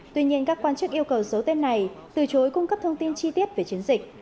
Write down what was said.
tuy nhiên các quan chức yêu cầu dấu tên này từ chối cung cấp thông tin chi tiết về chiến dịch